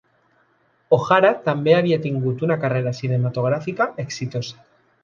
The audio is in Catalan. O'Hara també havia tingut una carrera cinematogràfica exitosa.